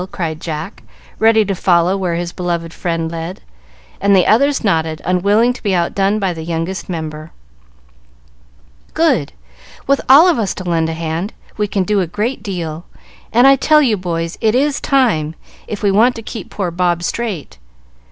cried Jack, ready to follow where his beloved friend led, and the others nodded, unwilling to be outdone by the youngest member. "Good! With all of us to lend a hand, we can do a great deal; and I tell you, boys, it is time, if we want to keep poor Bob straight.